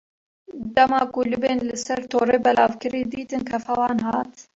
Dema ku libên li ser torê belavkirî, dîtin kêfa wan hat.